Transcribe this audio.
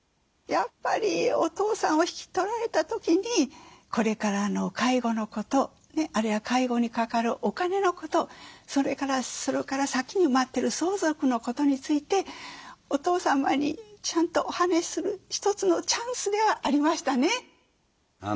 やっぱりお父さんを引き取られた時にこれからの介護のことあるいは介護にかかるお金のことそれから先に待ってる相続のことについてお父様にちゃんとお話しする一つのチャンスではありましたね。